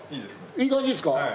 いい感じですか？